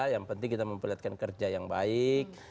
yang penting kita memperlihatkan kerja yang baik